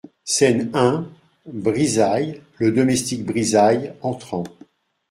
Scène un BRIZAILLES, LE DOMESTIQUE BRIZAILLES, entrant.